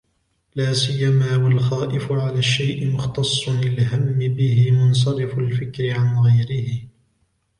لَا سِيَّمَا وَالْخَائِفُ عَلَى الشَّيْءِ مُخْتَصُّ الْهَمِّ بِهِ مُنْصَرِفُ الْفِكْرِ عَنْ غَيْرِهِ